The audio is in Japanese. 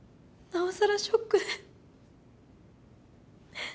なおさらショックで。